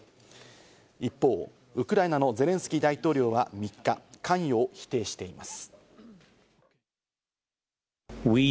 一方、ウクライナのゼレンスキー大統領は３日、関与を否定しています。